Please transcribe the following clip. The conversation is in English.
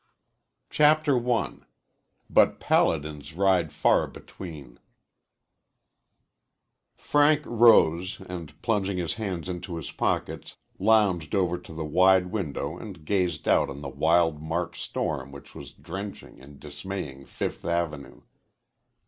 CHAPTER I BUT PALADINS RIDE FAR BETWEEN Frank rose and, plunging his hands into his pockets, lounged over to the wide window and gazed out on the wild March storm which was drenching and dismaying Fifth Avenue.